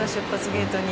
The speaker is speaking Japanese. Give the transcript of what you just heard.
ゲートに。